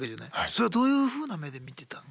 それはどういうふうな目で見てたの？